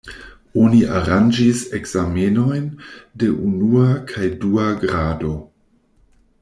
Oni aranĝis ekzamenojn de unua kaj dua grado.